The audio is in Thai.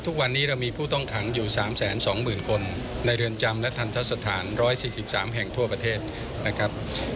ทุกวันนี้เรามีผู้ต้องขังอยู่๓๒๐๐๐คนในเรือนจำและทันทะสถาน๑๔๓แห่งทั่วประเทศนะครับ